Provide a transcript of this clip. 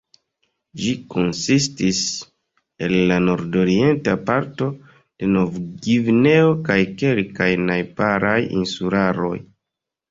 Ĝi konsistis el la nordorienta parto de Novgvineo kaj kelkaj najbaraj insularoj.